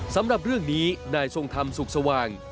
สำหรับเรื่องนี้นายทรงธรรมสุขสว่าง